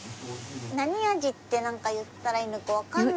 何味って言ったらいいのかわかんない。